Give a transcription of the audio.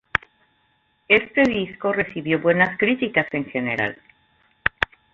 Este disco recibió buenas críticas en general.